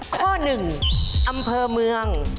ข้อหนึ่งอำเภอเมือง